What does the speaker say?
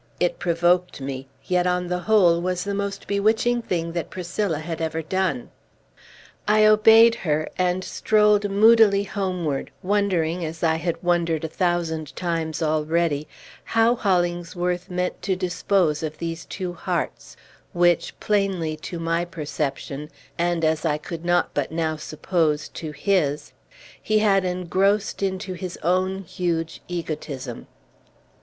It provoked me; yet, on the whole, was the most bewitching thing that Priscilla had ever done. I obeyed her, and strolled moodily homeward, wondering as I had wondered a thousand times already how Hollingsworth meant to dispose of these two hearts, which (plainly to my perception, and, as I could not but now suppose, to his) he had engrossed into his own huge egotism.